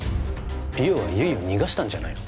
莉桜は悠依を逃がしたんじゃないの？